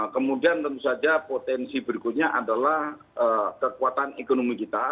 kemudian tentu saja potensi berikutnya adalah kekuatan ekonomi kita